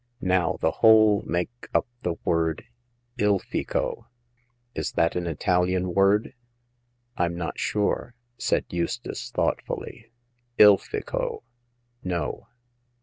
" Now, the whole make up the word * Ilfico.' Is that an Italian word ?*' "Fm not sure," said Eustace, thoughtfully. "* Ilfico.' No."